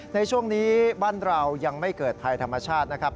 ในช่วงนี้บ้านเรายังไม่เกิดภัยธรรมชาตินะครับ